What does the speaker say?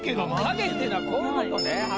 影っていうのはこういうことね。